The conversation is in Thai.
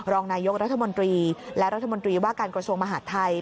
รองนายกรัฐมนตรีและรัฐมนตรีว่าการกระทรวงมหาดไทย